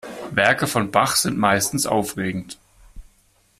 Werke von Bach sind meistens aufregend.